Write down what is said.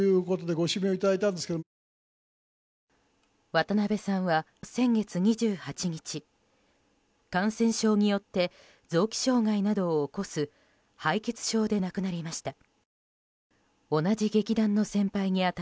渡辺さんは先月２８日感染症によって臓器障害などを起こす敗血症で亡くなりました。